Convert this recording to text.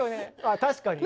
あ確かに。